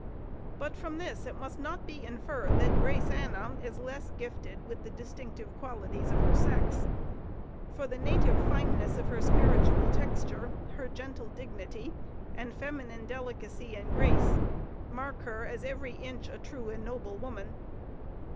But from this it must not be inferred that Grace Anna is less gifted with the distinctive qualities of her sex. For the native fineness of her spiritual texture, her gentle dignity and feminine delicacy and grace, mark her as "every inch" a true and noble woman.